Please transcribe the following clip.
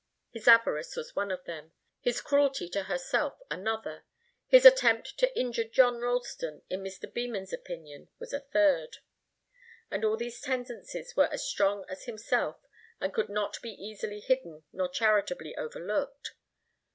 His avarice was one of them, his cruelty to herself another, his attempt to injure John Ralston in Mr. Beman's opinion was a third. And all these tendencies were as strong as himself and could not be easily hidden nor charitably overlooked.